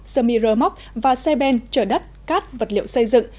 xe mì rơ móc và xe ben chở đất cát vật liệu xây dựng